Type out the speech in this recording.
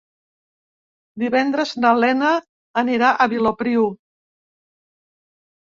Divendres na Lena anirà a Vilopriu.